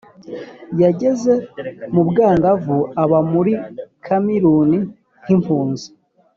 yageze mu bwangavu aba muri kameruni nk’impunzi.